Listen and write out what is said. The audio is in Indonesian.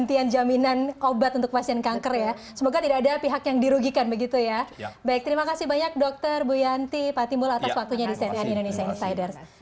terima kasih banyak dokter bu yanti pak timbul atas waktunya di cnn indonesia insiders